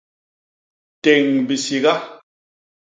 Téñ bisiga.